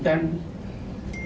ada bahkan beberapabroken solitary